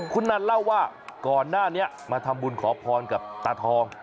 คุณนันเล่าว่าก่อนหน้านี้มาทำบุญขอพรกับตาทอง